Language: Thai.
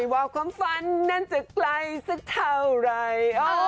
ว่าความฝันนั้นจะไกลสักเท่าไหร่